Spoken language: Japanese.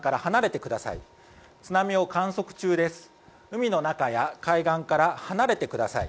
海の中や海岸から離れてください。